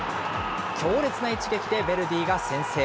強烈な一撃でヴェルディが先制。